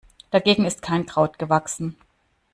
Dagegen ist kein Kraut gewachsen.